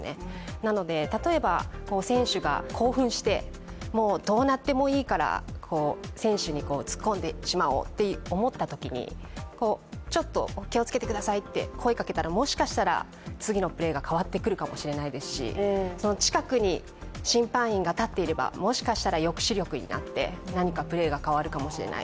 なので、例えば選手が興奮してもうどうなってもいいから選手に突っ込んでしまおうと思ったときに、ちょっと気をつけてくださいって声をかけたら、もしかしたら次のプレーが変わってくるかもしれないですし近くに審判員が立っていればもしかしたら抑止力になって、何かプレーが変わるかもしれない。